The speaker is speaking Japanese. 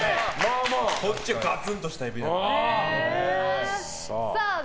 こっちはガツンとしたエビで。